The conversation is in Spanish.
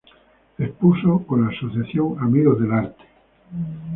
Expuso con la asociación Amigos del Arte.